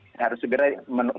jadi harus berlama lama